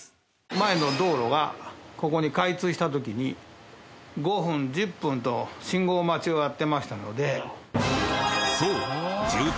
前の道路がここに開通した時に５分１０分と信号待ちをやってましたので。